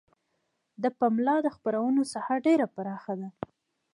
د پملا د خپرونو ساحه ډیره پراخه ده.